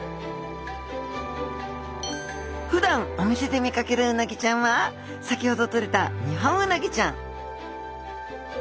ふだんお店で見かけるうなぎちゃんは先ほどとれたニホンウナギちゃん